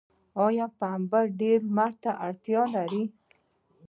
آیا پنبه ډیر لمر ته اړتیا لري؟